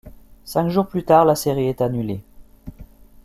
Cinq jours plus tard, la série est annulée.